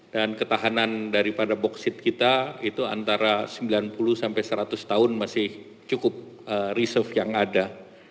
dan ketahanan daripada boksit kita itu antara sembilan puluh sampai seratus tahun masih cukup reserve yang ada